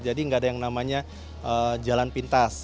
jadi nggak ada yang namanya jalan pintas